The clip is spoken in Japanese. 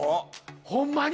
ホンマに？